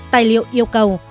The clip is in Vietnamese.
tài liệu yêu cầu